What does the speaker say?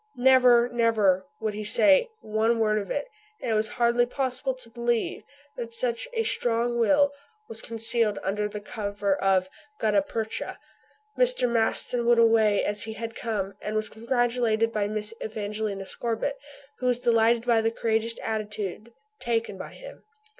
Never, never, would he say one word of it, and it was hardly possible to believe that such a strong will was concealed under that cover of "gutta percha." Mr. Maston went away as he had come; he was congratulated by Mrs. Evangelina Scorbitt, who was delighted by the courageous attitude taken by him.